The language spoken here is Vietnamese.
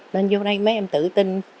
nên vô đây mấy em tự tin